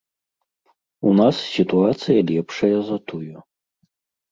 У нас сітуацыя лепшая за тую.